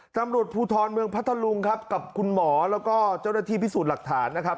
ตำรวจภูทรเมืองพัทธลุงครับกับคุณหมอแล้วก็เจ้าหน้าที่พิสูจน์หลักฐานนะครับ